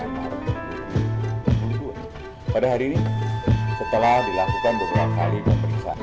pada hari ini setelah dilakukan beberapa kali pemeriksaan